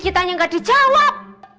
kiki tanya gak dijawab